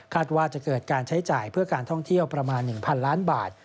ว่าจะเกิดการใช้จ่ายเพื่อการท่องเที่ยวประมาณ๑๐๐ล้านบาท